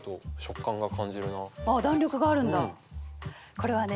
これはね